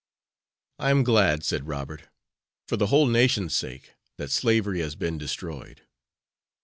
"I am glad," said Robert, "for the whole nation's sake, that slavery has been destroyed."